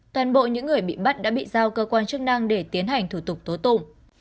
toàn bộ những người bị bắt đã bị giao cơ quan chức năng để tiến hành thủ tục tố tụng